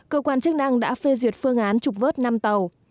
cơ quan chức năng đã phê duyệt phương án trục vớt năm tàu